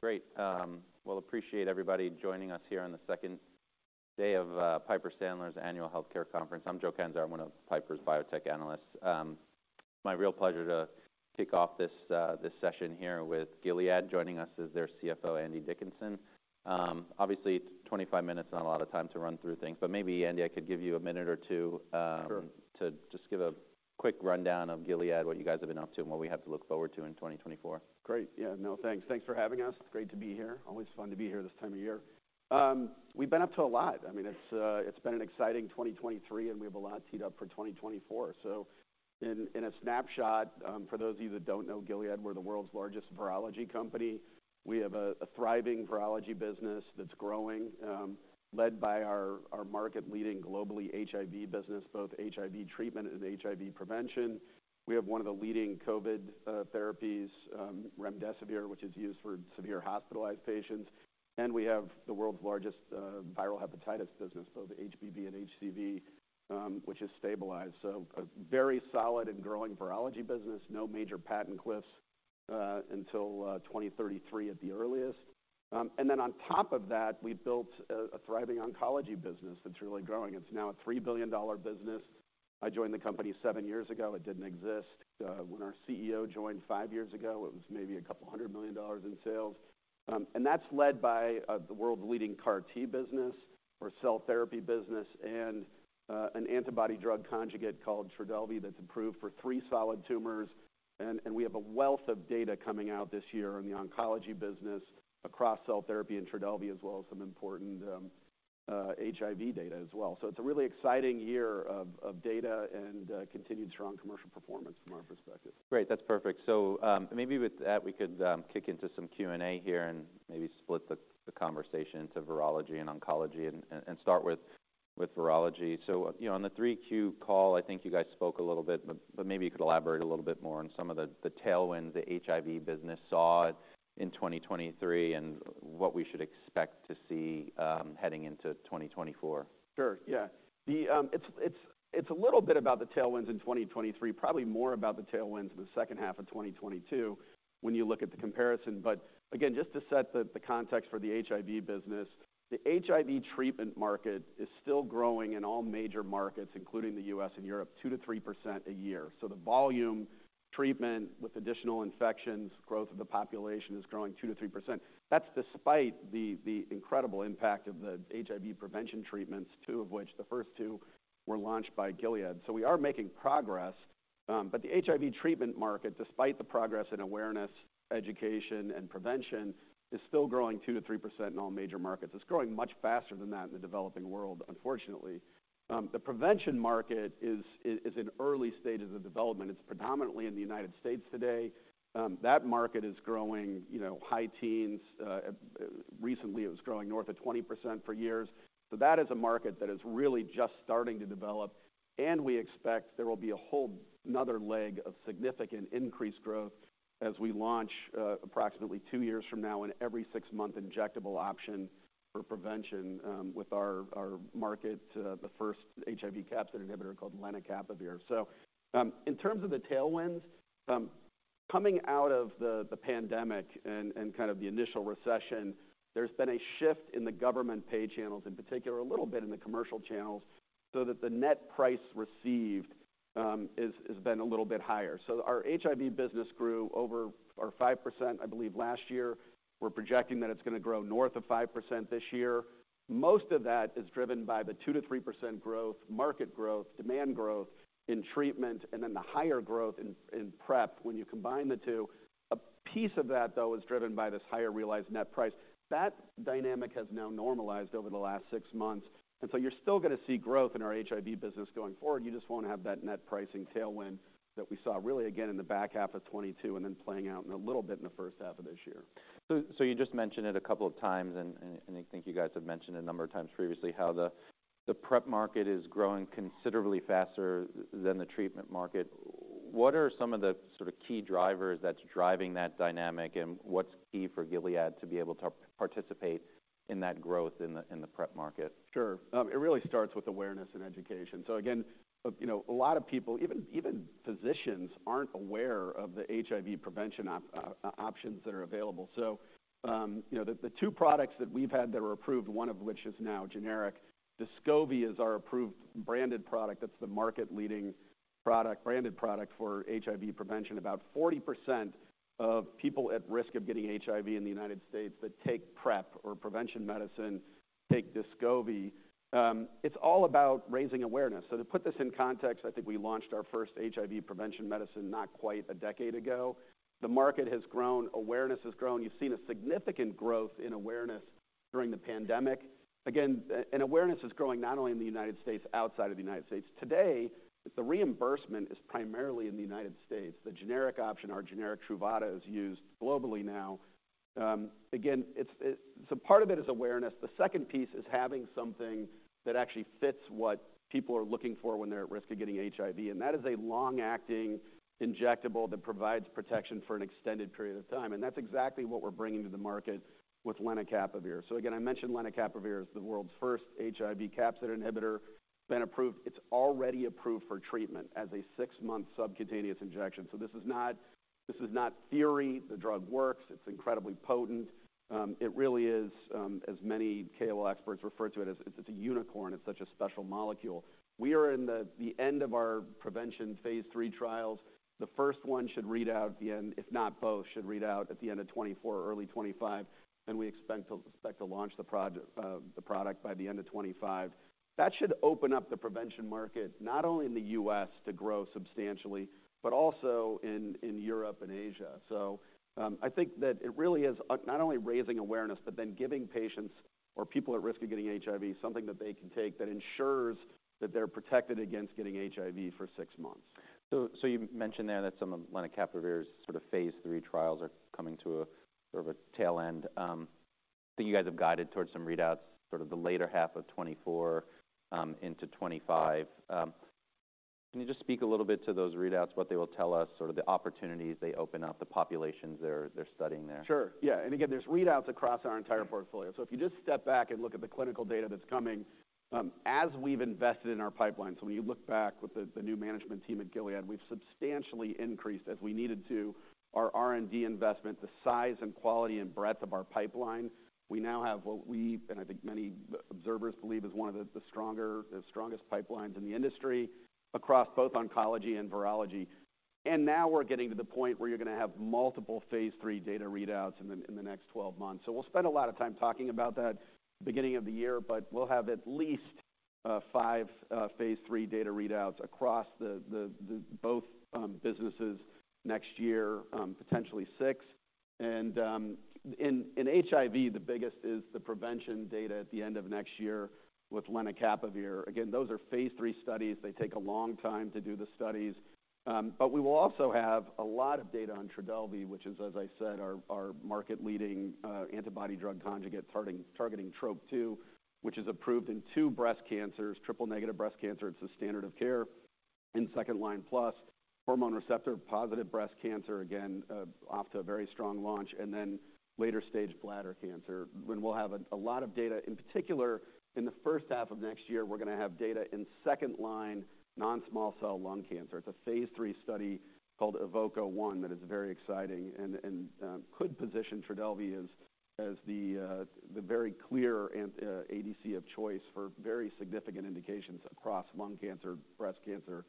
Great. Well, appreciate everybody joining us here on the second day of Piper Sandler's Annual Healthcare Conference. I'm Joe Catanzaro, one of Piper's biotech analysts. It's my real pleasure to kick off this session here with Gilead. Joining us is their CFO, Andrew Dickinson. Obviously, 25 minutes is not a lot of time to run through things, but maybe, Andrew, I could give you a minute or two, Sure. To just give a quick rundown of Gilead, what you guys have been up to, and what we have to look forward to in 2024. Great. Yeah. No, thanks. Thanks for having us. It's great to be here. Always fun to be here this time of year. We've been up to a lot. I mean, it's been an exciting 2023, and we have a lot teed up for 2024. So in a snapshot, for those of you that don't know Gilead, we're the world's largest virology company. We have a thriving virology business that's growing, led by our market-leading global HIV business, both HIV treatment and HIV prevention. We have one of the leading COVID therapies, remdesivir, which is used for severe hospitalized patients, and we have the world's largest viral hepatitis business, both HBV and HCV, which is stabilized. So a very solid and growing virology business. No major patent cliffs until 2033 at the earliest. And then on top of that, we built a thriving oncology business that's really growing. It's now a $3 billion business. I joined the company seven years ago. It didn't exist. When our CEO joined five years ago, it was maybe $200 million in sales. And that's led by the world's leading CAR T business or cell therapy business, and an antibody-drug conjugate called Trodelvy, that's approved for three solid tumors. And we have a wealth of data coming out this year in the oncology business across cell therapy and Trodelvy, as well as some important HIV data as well. So it's a really exciting year of data and continued strong commercial performance from our perspective. Great. That's perfect. So, maybe with that, we could kick into some Q&A here and maybe split the conversation into virology and oncology, and start with virology. So, you know, on the 3Q call, I think you guys spoke a little bit, but maybe you could elaborate a little bit more on some of the tailwinds the HIV business saw in 2023 and what we should expect to see heading into 2024? Sure, yeah. It's a little bit about the tailwinds in 2023, probably more about the tailwinds in the second half of 2022, when you look at the comparison. But again, just to set the context for the HIV business, the HIV treatment market is still growing in all major markets, including the US and Europe, 2%-3% a year. So the volume treatment with additional infections, growth of the population is growing 2%-3%. That's despite the incredible impact of the HIV prevention treatments, two of which, the first two were launched by Gilead. So we are making progress, but the HIV treatment market, despite the progress in awareness, education, and prevention, is still growing 2%-3% in all major markets. It's growing much faster than that in the developing world, unfortunately. The prevention market is in early stages of development. It's predominantly in the United States today. That market is growing, you know, high teens%. Recently, it was growing north of 20% for years. So that is a market that is really just starting to develop, and we expect there will be a whole another leg of significant increased growth as we launch, approximately two years from now, in every six-month injectable option for prevention, with our, our market, the first HIV capsid inhibitor called lenacapavir. So, in terms of the tailwinds, coming out of the pandemic and kind of the initial recession, there's been a shift in the government pay channels, in particular, a little bit in the commercial channels, so that the net price received has been a little bit higher. So our HIV business grew over four or five percent, I believe, last year. We're projecting that it's going to grow north of 5% this year. Most of that is driven by the 2%-3% growth, market growth, demand growth in treatment and then the higher growth in PrEP when you combine the two. A piece of that, though, is driven by this higher realized net price. That dynamic has now normalized over the last six months, and so you're still gonna see growth in our HIV business going forward. You just won't have that net pricing tailwind that we saw really again in the back half of 2022 and then playing out in a little bit in the first half of this year. So, you just mentioned it a couple of times, and I think you guys have mentioned it a number of times previously, how the PrEP market is growing considerably faster than the treatment market. What are some of the sort of key drivers that's driving that dynamic, and what's key for Gilead to be able to participate in that growth in the PrEP market? Sure. It really starts with awareness and education. So again, you know, a lot of people, even physicians, aren't aware of the HIV prevention options that are available. So, you know, the two products that we've had that were approved, one of which is now generic, Descovy is our approved branded product. That's the market-leading product, branded product for HIV prevention. About 40% of people at risk of getting HIV in the United States that take PrEP or prevention medicine, take Descovy. It's all about raising awareness. So to put this in context, I think we launched our first HIV prevention medicine not quite a decade ago. The market has grown, awareness has grown. You've seen a significant growth in awareness during the pandemic. Again, and awareness is growing not only in the United States, outside of the United States. Today, the reimbursement is primarily in the United States. The generic option, our generic Truvada, is used globally now. Again, so part of it is awareness. The second piece is having something that actually fits what people are looking for when they're at risk of getting HIV, and that is a long-acting injectable that provides protection for an extended period of time, and that's exactly what we're bringing to the market with lenacapavir. So again, I mentioned lenacapavir is the world's first HIV capsid inhibitor, been approved. It's already approved for treatment as a six-month subcutaneous injection. So this is not, this is not theory. The drug works. It's incredibly potent. It really is, as many KOL experts refer to it as, it's a unicorn. It's such a special molecule. We are in the end of our prevention phase III trials. The first one should read out at the end, if not both, should read out at the end of 2024 or early 2025, and we expect to, expect to launch the product by the end of 2025. That should open up the prevention market, not only in the US to grow substantially, but also in Europe and Asia. So, I think that it really is not only raising awareness, but then giving patients or people at risk of getting HIV something that they can take that ensures that they're protected against getting HIV for six months. So, you mentioned there that some of lenacapavir's sort of phase 3 trials are coming to a sort of a tail end. So you guys have guided towards some readouts, sort of the later half of 2024, into 2025. Can you just speak a little bit to those readouts, what they will tell us, sort of the opportunities they open up, the populations they're studying there? Sure. Yeah, and again, there's readouts across our entire portfolio. So if you just step back and look at the clinical data that's coming, as we've invested in our pipeline. So when you look back with the new management team at Gilead, we've substantially increased as we needed to, our R&D investment, the size and quality and breadth of our pipeline. We now have what we, and I think many observers believe, is one of the stronger—the strongest pipelines in the industry across both oncology and virology. And now we're getting to the point where you're going to have multiple Phase III data readouts in the next 12 months. So we'll spend a lot of time talking about that beginning of the year, but we'll have at least 5 phase III data readouts across both businesses next year, potentially 6. In HIV, the biggest is the prevention data at the end of next year with lenacapavir. Again, those are phase III studies. They take a long time to do the studies. But we will also have a lot of data on Trodelvy, which is, as I said, our market-leading antibody-drug conjugate targeting Trop-2, which is approved in two breast cancers, triple-negative breast cancer. It's a standard of care in second-line plus hormone receptor-positive breast cancer, again off to a very strong launch and then later-stage bladder cancer, when we'll have a lot of data. In particular, in the first half of next year, we're going to have data in second-line non-small cell lung cancer. It's a phase III study called EVOKE-01 that is very exciting and could position Trodelvy as the very clear ADC of choice for very significant indications across lung cancer, breast cancer,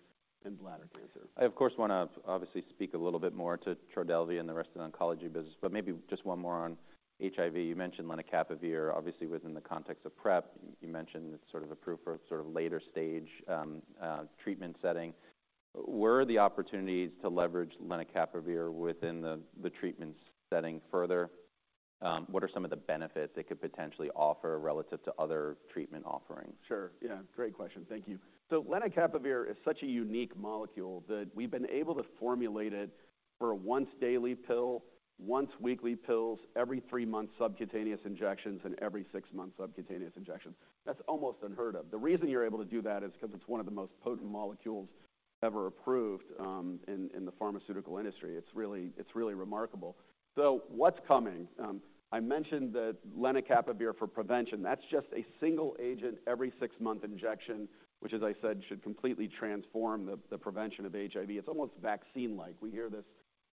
and bladder cancer. I, of course, want to obviously speak a little bit more to Trodelvy and the rest of the oncology business, but maybe just one more on HIV. You mentioned lenacapavir, obviously within the context of PrEP. You mentioned it's sort of approved for sort of later stage treatment setting. Where are the opportunities to leverage lenacapavir within the treatment setting further? What are some of the benefits it could potentially offer relative to other treatment offerings? Sure. Yeah, great question. Thank you. So lenacapavir is such a unique molecule that we've been able to formulate it for a once-daily pill, once-weekly pills, every three-month subcutaneous injections, and every 6-month subcutaneous injections. That's almost unheard of. The reason you're able to do that is because it's one of the most potent molecules ever approved, in the pharmaceutical industry. It's really, it's really remarkable. So what's coming? I mentioned that lenacapavir for prevention, that's just a single agent, every 6-month injection, which, as I said, should completely transform the prevention of HIV. It's almost vaccine-like. We hear this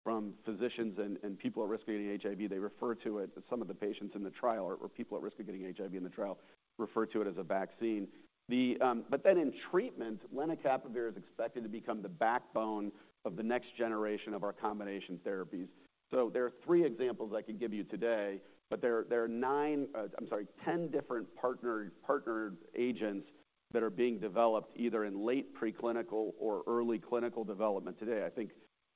from physicians and people at risk of getting HIV. They refer to it, some of the patients in the trial or people at risk of getting HIV in the trial, refer to it as a vaccine. The, But then in treatment, lenacapavir is expected to become the backbone of the next generation of our combination therapies. So there are three examples I could give you today, but there are nine, I'm sorry, 10 different partnered agents that are being developed either in late preclinical or early clinical development today. I think,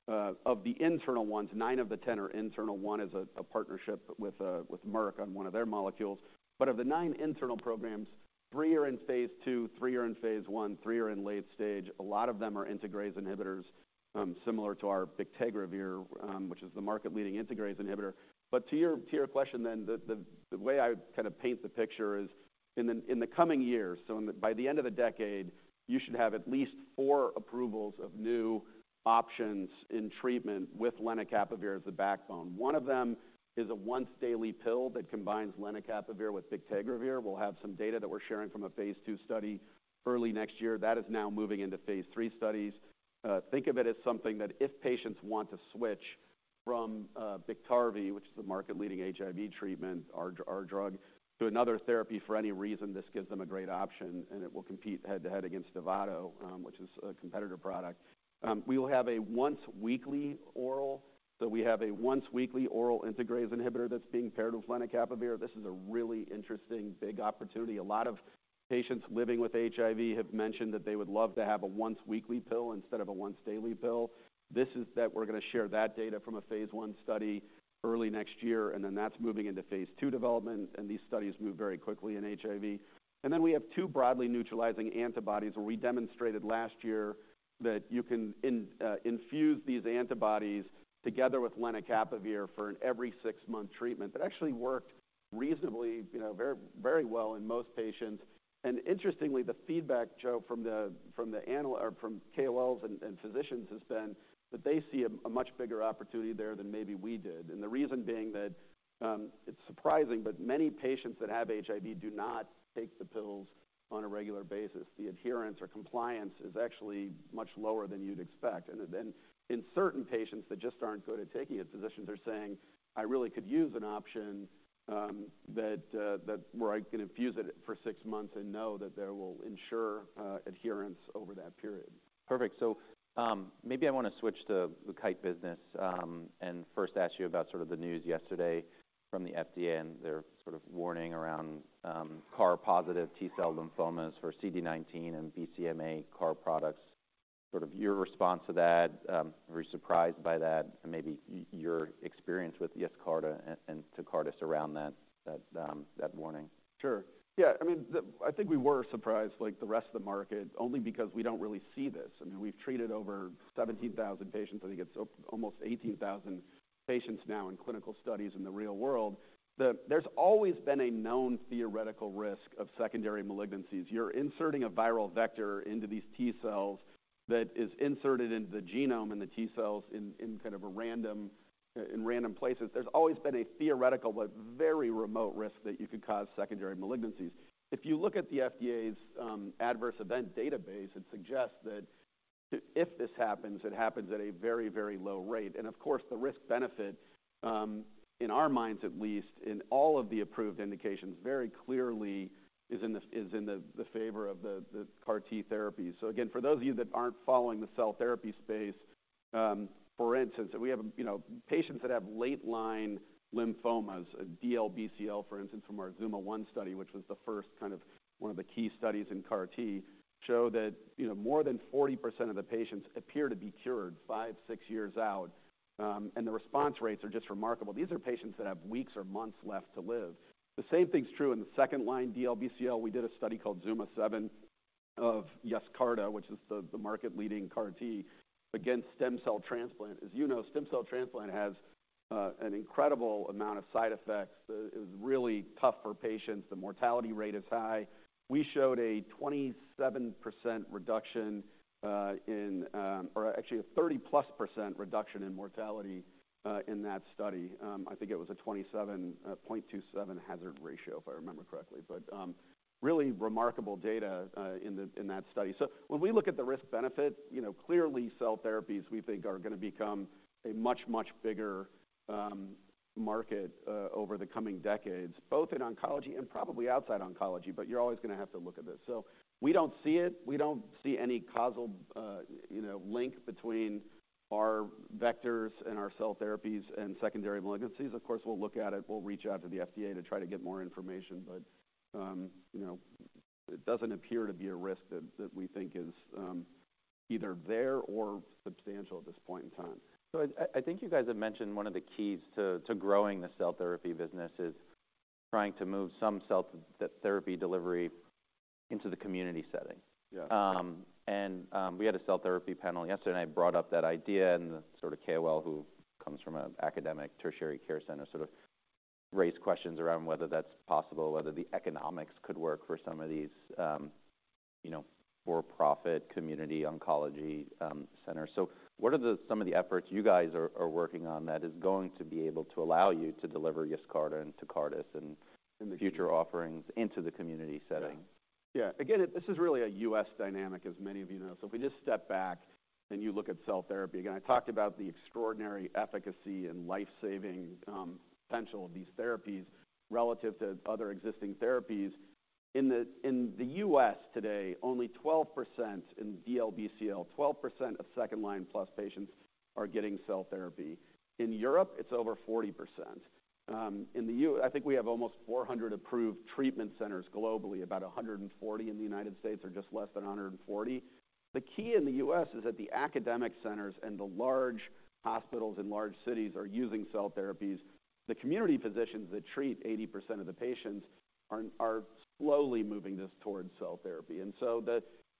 of the internal ones, nine of the 10 are internal. One is a partnership with Merck on one of their molecules. But of the nine internal programs, three are in phase II, three are in phase I, three are in late stage. A lot of them are integrase inhibitors, similar to our bictegravir, which is the market-leading integrase inhibitor. But to your question, then, the way I kind of paint the picture is in the coming years, so by the end of the decade, you should have at least four approvals of new options in treatment with lenacapavir as the backbone. One of them is a once-daily pill that combines lenacapavir with bictegravir. We'll have some data that we're sharing from a phase II study early next year. That is now moving into phase III studies. Think of it as something that if patients want to switch from Biktarvy, which is the market-leading HIV treatment, our drug, to another therapy for any reason, this gives them a great option, and it will compete head-to-head against Evotaz, which is a competitor product. We will have a once-weekly oral, so we have a once-weekly oral integrase inhibitor that's being paired with lenacapavir. This is a really interesting, big opportunity. A lot of patients living with HIV have mentioned that they would love to have a once-weekly pill instead of a once-daily pill. This is that we're going to share that data from a phase I study early next year, and then that's moving into phase II development, and these studies move very quickly in HIV. And then we have two broadly neutralizing antibodies, where we demonstrated last year that you can infuse these antibodies together with lenacapavir for an every six-month treatment. That actually worked reasonably, you know, very, very well in most patients. And interestingly, the feedback, Joe, from the analysts or from KOLs and physicians has been that they see a much bigger opportunity there than maybe we did. And the reason being that it's surprising, but many patients that have HIV do not take the pills on a regular basis. The adherence or compliance is actually much lower than you'd expect, and in certain patients that just aren't good at taking it, physicians are saying, "I really could use an option that where I can infuse it for six months and know that there will ensure adherence over that period. Perfect. So, maybe I want to switch to the Kite business, and first ask you about sort of the news yesterday from the FDA and their sort of warning around CAR-positive T-cell lymphomas for CD19 and BCMA CAR products. Sort of your response to that, were you surprised by that? And maybe your experience with Yescarta and Tecartus around that warning. Sure. Yeah, I mean, I think we were surprised, like the rest of the market, only because we don't really see this. I mean, we've treated over 17,000 patients. I think it's almost 18,000 patients now in clinical studies in the real world. There's always been a known theoretical risk of secondary malignancies. You're inserting a viral vector into these T-cells that is inserted into the genome and the T-cells in kind of a random, in random places. There's always been a theoretical but very remote risk that you could cause secondary malignancies. If you look at the FDA's adverse event database, it suggests that if this happens, it happens at a very, very low rate. Of course, the risk-benefit, in our minds, at least, in all of the approved indications, very clearly is in the favor of the CAR T therapy. Again, for those of you that aren't following the cell therapy space, for instance, we have, you know, patients that have late-line lymphomas, DLBCL, for instance, from our ZUMA-1 study, which was the first kind of one of the key studies in CAR T, show that, you know, more than 40% of the patients appear to be cured five to six years out, and the response rates are just remarkable. These are patients that have weeks or months left to live. The same thing is true in the second-line DLBCL. We did a study called ZUMA-7 of Yescarta, which is the market-leading CAR T, against stem cell transplant. As you know, stem cell transplant has an incredible amount of side effects. It's really tough for patients. The mortality rate is high. We showed a 27% reduction. Or actually a 30+% reduction in mortality in that study. I think it was a 0.73 hazard ratio, if I remember correctly. But really remarkable data in that study. So when we look at the risk-benefit, you know, clearly, cell therapies, we think, are gonna become a much much bigger market over the coming decades, both in oncology and probably outside oncology, but you're always gonna have to look at this. So we don't see it. We don't see any causal you know link between our vectors and our cell therapies and secondary malignancies. Of course, we'll look at it. We'll reach out to the FDA to try to get more information, but you know, it doesn't appear to be a risk that we think is either there or substantial at this point in time. So I think you guys have mentioned one of the keys to growing the cell therapy business is trying to move some cell therapy delivery into the community setting. Yeah. We had a cell therapy panel yesterday, and I brought up that idea, and the sort of KOL who comes from an academic tertiary care center sort of raised questions around whether that's possible, whether the economics could work for some of these, you know, for-profit community oncology centers. So what are some of the efforts you guys are working on that is going to be able to allow you to deliver Yescarta and Tecartus and- In the- future offerings into the community setting? Yeah. Again, this is really a U.S. dynamic, as many of you know. So if we just step back and you look at cell therapy, again, I talked about the extraordinary efficacy and life-saving potential of these therapies relative to other existing therapies. In the U.S. today, only 12% in DLBCL, 12% of second-line plus patients are getting cell therapy. In Europe, it's over 40%. I think we have almost 400 approved treatment centers globally, about 140 in the United States, or just less than 140. The key in the U.S. is that the academic centers and the large hospitals in large cities are using cell therapies. The community physicians that treat 80% of the patients are slowly moving this towards cell therapy.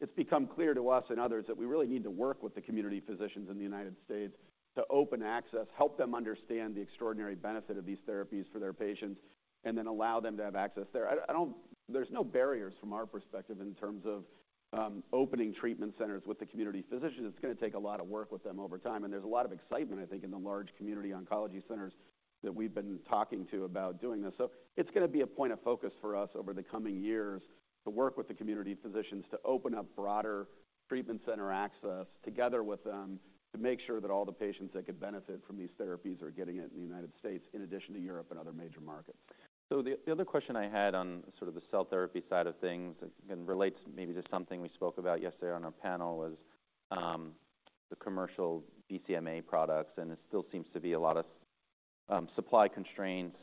It's become clear to us and others that we really need to work with the community physicians in the United States to open access, help them understand the extraordinary benefit of these therapies for their patients, and then allow them to have access there. There's no barriers from our perspective in terms of opening treatment centers with the community physicians. It's gonna take a lot of work with them over time, and there's a lot of excitement, I think, in the large community oncology centers that we've been talking to about doing this. It's gonna be a point of focus for us over the coming years to work with the community physicians to open up broader treatment center access together with them, to make sure that all the patients that could benefit from these therapies are getting it in the United States, in addition to Europe and other major markets. So the other question I had on sort of the cell therapy side of things, and relates maybe to something we spoke about yesterday on our panel, was the commercial BCMA products, and it still seems to be a lot of supply constraints,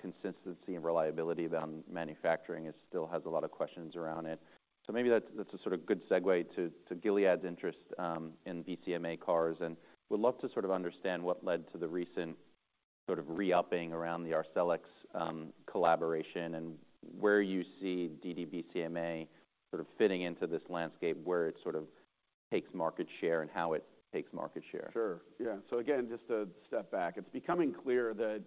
consistency and reliability around manufacturing. It still has a lot of questions around it. So maybe that's a sort of good segue to Gilead's interest in BCMA CARs, and would love to sort of understand what led to the recent sort of re-upping around the Arcellx collaboration and where you see ddBCMA sort of fitting into this landscape, where it sort of takes market share and how it takes market share. Sure. Yeah. So again, just to step back, it's becoming clear that,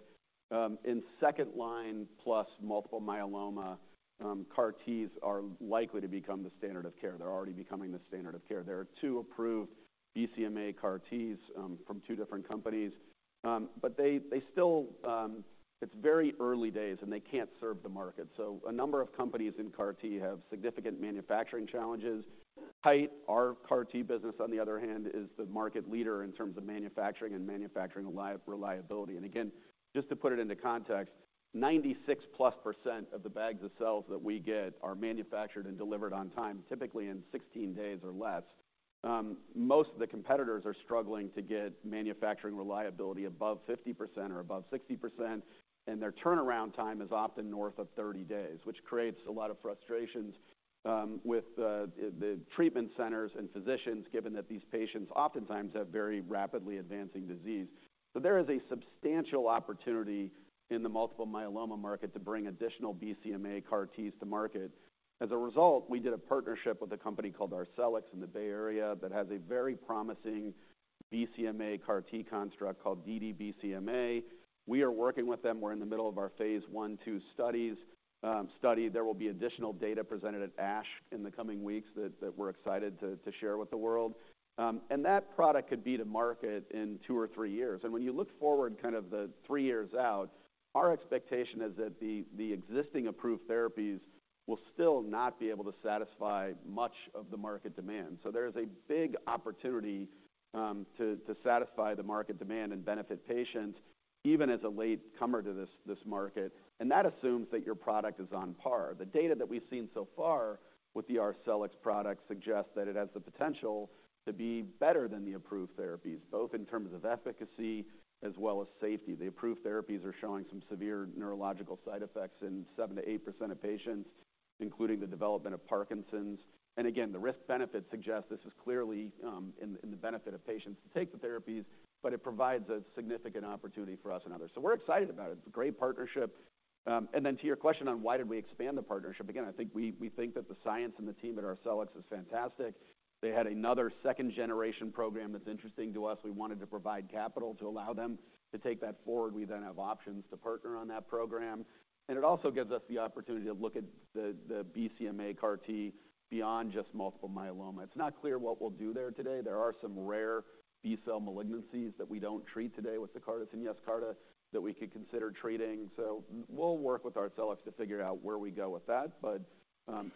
in second-line plus multiple myeloma, CAR Ts are likely to become the standard of care. They're already becoming the standard of care. There are two approved BCMA CAR Ts, from two different companies. But they still... It's very early days, and they can't serve the market. So a number of companies in CAR T have significant manufacturing challenges. Kite, our CAR T business, on the other hand, is the market leader in terms of manufacturing and manufacturing reliability. And again, just to put it into context, 96%+ of the bags of cells that we get are manufactured and delivered on time, typically in 16 days or less. Most of the competitors are struggling to get manufacturing reliability above 50% or above 60%, and their turnaround time is often north of 30 days, which creates a lot of frustrations with the treatment centers and physicians, given that these patients oftentimes have very rapidly advancing disease. So there is a substantial opportunity in the multiple myeloma market to bring additional BCMA CAR Ts to market. As a result, we did a partnership with a company called Arcellx in the Bay Area that has a very promising BCMA CAR T construct called ddBCMA. We are working with them. We're in the middle of our phase 1, 2 studies, study. There will be additional data presented at ASH in the coming weeks that we're excited to share with the world. And that product could be to market in two or three years. When you look forward, kind of the three years out, our expectation is that the existing approved therapies will still not be able to satisfy much of the market demand. So there is a big opportunity to satisfy the market demand and benefit patients, even as a latecomer to this market, and that assumes that your product is on par. The data that we've seen so far with the Arcellx product suggests that it has the potential to be better than the approved therapies, both in terms of efficacy as well as safety. The approved therapies are showing some severe neurological side effects in 7%-8% of patients, including the development of Parkinson's. Again, the risk-benefit suggests this is clearly in the benefit of patients to take the therapies, but it provides a significant opportunity for us and others. So we're excited about it. It's a great partnership. And then to your question on why did we expand the partnership, again, I think we think that the science and the team at Arcellx is fantastic. They had another second-generation program that's interesting to us. We wanted to provide capital to allow them to take that forward. We then have options to partner on that program, and it also gives us the opportunity to look at the BCMA CAR T beyond just multiple myeloma. It's not clear what we'll do there today. There are some rare B-cell malignancies that we don't treat today with the CAR Ts and Yescarta, that we could consider treating. We'll work with Arcellx to figure out where we go with that, but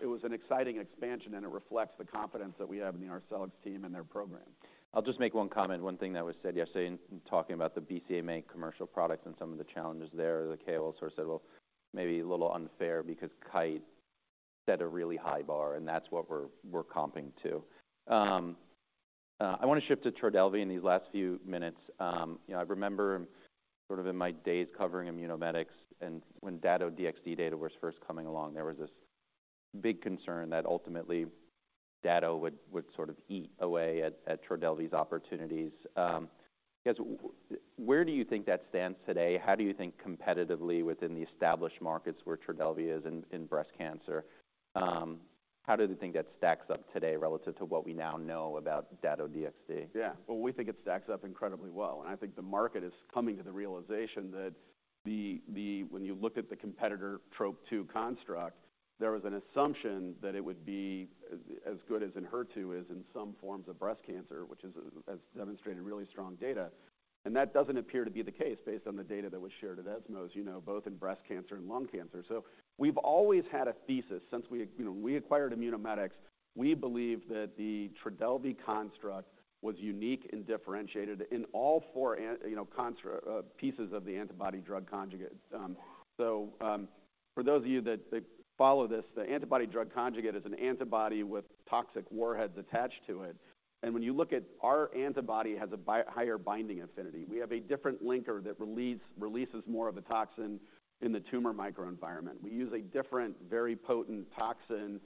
it was an exciting expansion, and it reflects the confidence that we have in the Arcellx team and their program. I'll just make one comment. One thing that was said yesterday in talking about the BCMA commercial products and some of the challenges there, the KOL source said, "Well, maybe a little unfair because Kite set a really high bar, and that's what we're comping to." I wanna shift to Trodelvy in these last few minutes. You know, I remember sort of in my days covering Immunomedics and when Dato-DXd data was first coming along, there was this big concern that ultimately Dato-DXd would sort of eat away at Trodelvy's opportunities. I guess, where do you think that stands today? How do you think competitively within the established markets where Trodelvy is in breast cancer, how do you think that stacks up today relative to what we now know about Dato-DXd? Yeah. Well, we think it stacks up incredibly well, and I think the market is coming to the realization that the... When you look at the competitor Trop-2 construct, there was an assumption that it would be as good as Enhertu is in some forms of breast cancer, which has demonstrated really strong data. And that doesn't appear to be the case based on the data that was shared at ESMO, as you know, both in breast cancer and lung cancer. So we've always had a thesis since we, you know, we acquired Immunomedics, we believe that the Trodelvy construct was unique and differentiated in all four, you know, components of the antibody-drug conjugate. So, for those of you that follow this, the antibody-drug conjugate is an antibody with toxic warheads attached to it. And when you look at our antibody, it has a higher binding affinity. We have a different linker that releases more of the toxin in the tumor microenvironment. We use a different, very potent toxin,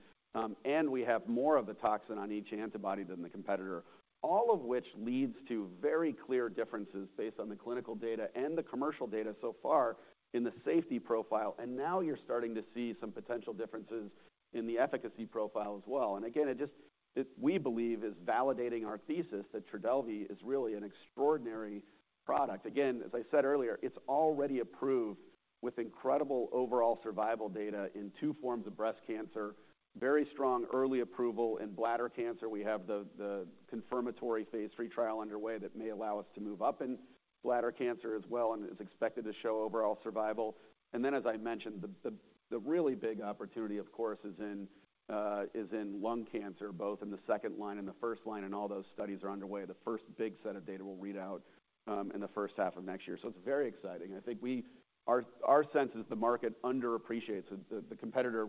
and we have more of the toxin on each antibody than the competitor. All of which leads to very clear differences based on the clinical data and the commercial data so far in the safety profile. And now you're starting to see some potential differences in the efficacy profile as well. And again, it just, it, we believe, is validating our thesis that Trodelvy is really an extraordinary product. Again, as I said earlier, it's already approved with incredible overall survival data in two forms of breast cancer, very strong early approval in bladder cancer. We have the confirmatory Phase III trial underway that may allow us to move up in bladder cancer as well, and it's expected to show overall survival. And then, as I mentioned, the really big opportunity, of course, is in lung cancer, both in the second line and the first line, and all those studies are underway. The first big set of data will read out in the first half of next year. So it's very exciting, and I think we—our sense is the market underappreciates the competitor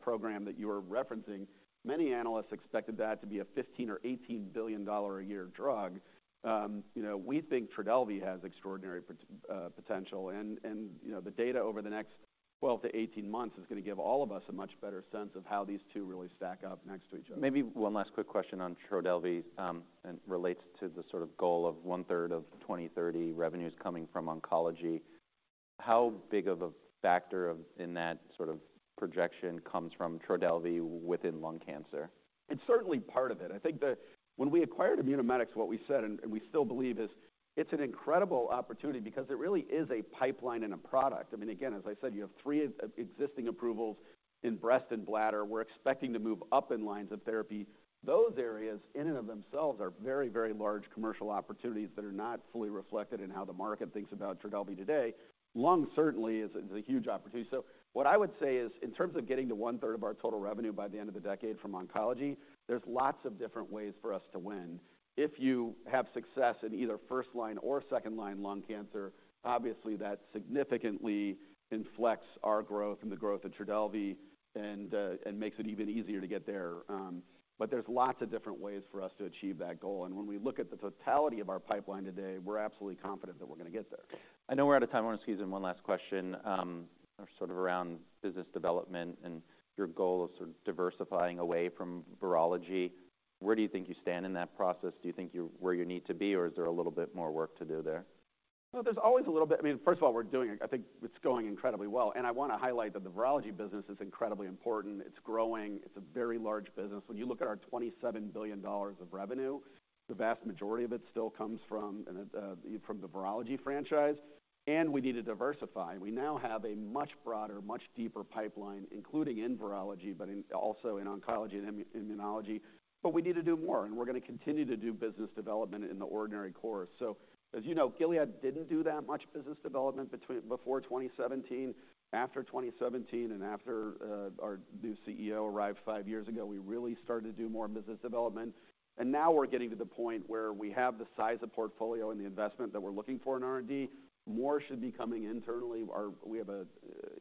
program that you are referencing. Many analysts expected that to be a $15 billion or $18 billion a year drug. You know, we think Trodelvy has extraordinary pot... potential and, you know, the data over the next 12-18 months is gonna give all of us a much better sense of how these two really stack up next to each other. Maybe one last quick question on Trodelvy and relates to the sort of goal of 1/3 of 2030 revenues coming from oncology. How big of a factor in that sort of projection comes from Trodelvy within lung cancer? It's certainly part of it. I think, when we acquired Immunomedics, what we said, and we still believe, is it's an incredible opportunity because it really is a pipeline and a product. I mean, again, as I said, you have three existing approvals in breast and bladder. We're expecting to move up in lines of therapy. Those areas, in and of themselves, are very, very large commercial opportunities that are not fully reflected in how the market thinks about Trodelvy today. Lung certainly is a huge opportunity. So what I would say is, in terms of getting to one-third of our total revenue by the end of the decade from oncology, there's lots of different ways for us to win. If you have success in either first-line or second-line lung cancer, obviously that significantly influences our growth and the growth of Trodelvy and makes it even easier to get there. But there's lots of different ways for us to achieve that goal, and when we look at the totality of our pipeline today, we're absolutely confident that we're gonna get there. I know we're out of time. I wanna squeeze in one last question, sort of around business development and your goal of sort of diversifying away from virology. Where do you think you stand in that process? Do you think you're where you need to be, or is there a little bit more work to do there? Well, there's always a little bit. I mean, first of all, we're doing, I think it's going incredibly well, and I wanna highlight that the virology business is incredibly important. It's growing. It's a very large business. When you look at our $27 billion of revenue, the vast majority of it still comes from the virology franchise, and we need to diversify. We now have a much broader, much deeper pipeline, including in virology, but also in oncology and immunology. But we need to do more, and we're gonna continue to do business development in the ordinary course. So, as you know, Gilead didn't do that much business development before 2017. After 2017 and after our new CEO arrived five years ago, we really started to do more business development, and now we're getting to the point where we have the size of portfolio and the investment that we're looking for in R&D. More should be coming internally. Our—we have an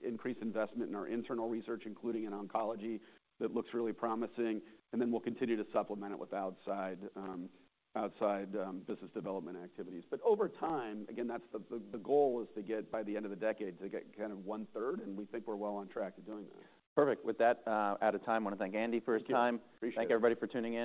increased investment in our internal research, including in oncology. That looks really promising, and then we'll continue to supplement it with outside business development activities. But over time, again, that's the goal is to get by the end of the decade, to get kind of one-third, and we think we're well on track to doing that. Perfect. With that, out of time, I wanna thank Andy for his time. Appreciate it. Thank everybody for tuning in and-